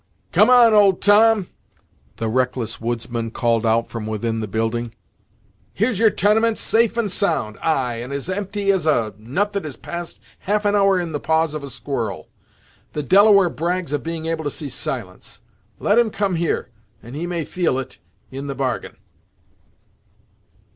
"Come on, old Tom," the reckless woodsman called out from within the building "here's your tenement, safe and sound; ay, and as empty as a nut that has passed half an hour in the paws of a squirrel! The Delaware brags of being able to see silence; let him come here, and he may feel it, in the bargain."